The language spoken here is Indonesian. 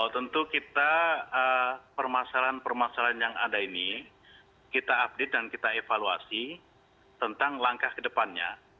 tentu kita permasalahan permasalahan yang ada ini kita update dan kita evaluasi tentang langkah ke depannya